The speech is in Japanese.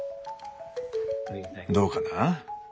どうかな？